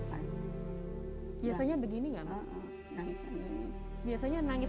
pelan pelan ya minumnya